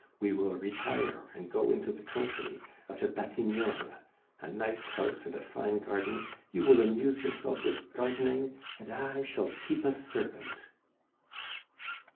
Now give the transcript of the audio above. We will retire, and go into the country, out at Batignolles. A nice house and a fine garden; you will amuse yourself with gardening, and I shall keep a servant!"